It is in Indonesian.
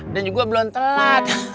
dan juga belum telat